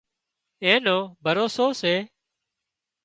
اين نو ڀروسو سي